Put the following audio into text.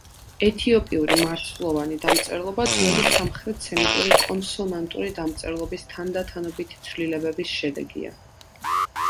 ეთიოპიური მარცვლოვანი დამწერლობა ძველი სამხრეთ სემიტური კონსონანტური დამწერლობის თანდათანობითი ცვლილებების შედეგია.